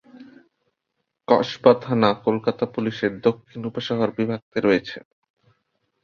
কসবা থানা কলকাতা পুলিশ এর দক্ষিণ উপশহর বিভাগ তে রয়েছে।